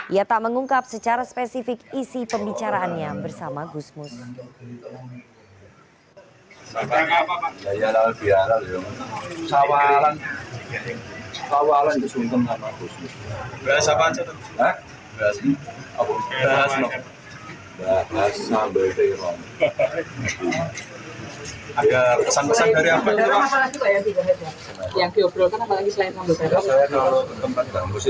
ia tak mengungkap secara spesifik isi pembicaraannya bersama gusmus